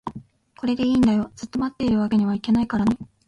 これでいいんだよ、ずっと持っているわけにはいけないからね